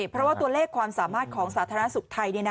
เพราะว่าตัวเลขความสามารถของสาธารณสุขไทย